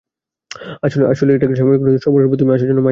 আসলে, এটা একটা সাময়িক উন্নতি, সম্পূর্ণরূপে তুমি আসার জন্য, মাই ডিয়ার।